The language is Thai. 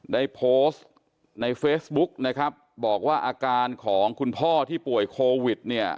ได้โพสต์ในเฟซบุ๊กนะครับบอกว่าอาการของคุณพ่อที่ป่วยโควิดเนี่ย